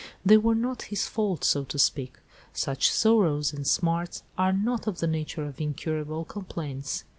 They were not "his fault," so to speak. Such sorrows and smarts are not of the nature of incurable complaints.